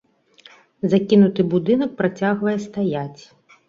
Закінуты будынак працягвае стаяць.